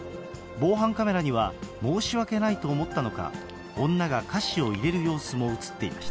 防犯カメラには、申し訳ないと思ったのか、女が菓子を入れる様子も写っていました。